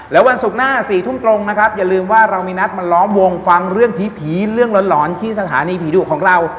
แล้ววันศุกร์หน้า๔ทุ่มตรงนะครับอย่าลืมว่าเรามีนัดมาล้อมวงฟังเรื่องผีเรื่องหลอนที่สถานีผีดุของเรา